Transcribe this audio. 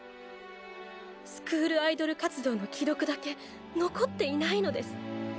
スクールアイドル活動の記録だけ残っていないのです。